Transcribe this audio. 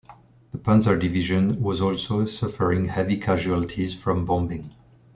The panzer division was also suffering heavy casualties from bombing.